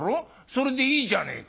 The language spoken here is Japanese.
それでいいじゃねえか」。